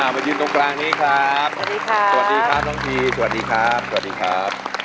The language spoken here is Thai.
มายืนตรงกลางนี้ครับสวัสดีค่ะสวัสดีครับน้องทีสวัสดีครับสวัสดีครับ